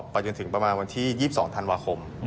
จนถึงประมาณวันที่๒๒ธันวาคม